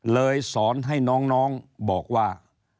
สอนให้น้องบอกว่า